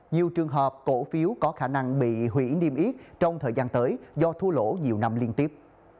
nhiều trường hợp cổ phiếu có khả năng bị hủy niêm yết trong thời gian tới do thua lỗ nhiều năm liên tiếp